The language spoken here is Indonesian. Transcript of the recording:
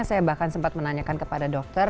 saya bahkan sempat menanyakan kepada dokter